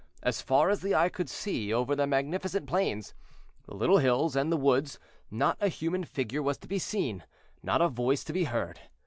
As far as the eye could see over the magnificent plains, the little hills and the woods, not a human figure was to be seen, not a voice to be heard.